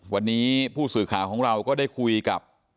วันนี้ผู้สื่อข่าวของเราก็ได้คุยกับ